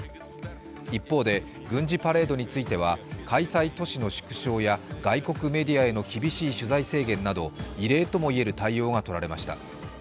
一方で軍事パレードについては開催都市の縮小や外国メディアへの厳しい取材制限など異例とも言える対応がとられました。